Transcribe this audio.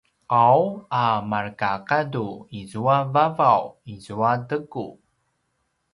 ’aw a markagadu izua vavaw izua teku